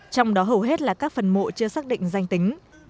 trong đó hầu hết là các phần mộ chưa xác định danh tính